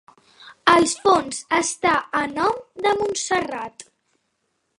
El fons està a nom de Montserrat.